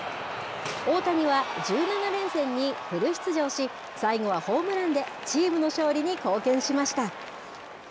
大谷は１７連戦にフル出場し、最後はホームランでチームの勝利に貢献しました。